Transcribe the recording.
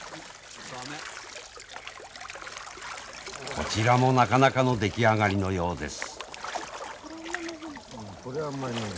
こちらもなかなかの出来上がりのようです。